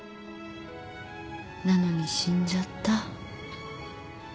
なのに死んじゃった。